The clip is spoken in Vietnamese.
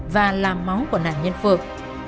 và là máu của nạn nhân phước